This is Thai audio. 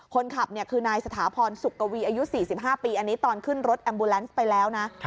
คนขับคือนายสถาพรสุกวีอายุ๔๕ปีอันนี้ตอนขึ้นรถแอมบูแลนซ์ไปแล้วนะ